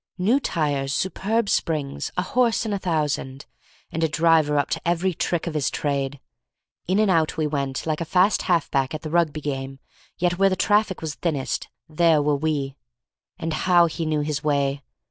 New tires, superb springs, a horse in a thousand, and a driver up to every trick of his trade! In and out we went like a fast half back at the Rugby game, yet where the traffic was thinnest, there were we. And how he knew his way!